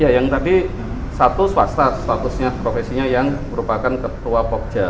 ya yang tadi satu swasta statusnya profesinya yang merupakan ketua pogja